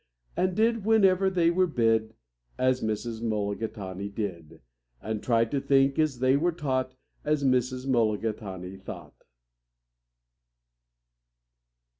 And did, whenever they were bid, As Mrs. Mulligatawny did, And tried to think, as they were taught, As Mrs. Mulligatawny thought.